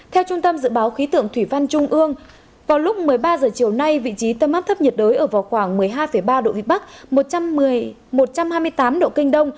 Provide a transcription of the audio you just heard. theo trung tâm dự báo khí tượng thủy văn trung ương vào lúc một mươi ba h chiều nay vị trí tâm áp thấp nhiệt đới ở vào khoảng một mươi hai ba độ vĩ bắc một trăm hai mươi tám độ kinh đông